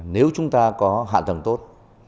nếu chúng ta có hạ tầng tốt